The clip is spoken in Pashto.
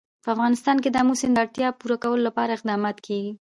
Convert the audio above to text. په افغانستان کې د آمو سیند د اړتیاوو پوره کولو لپاره اقدامات کېږي.